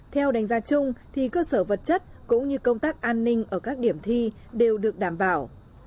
theo đánh giá chung thì cơ sở vật chất cũng như công tác an ninh ở các điểm thi đều được đảm bảo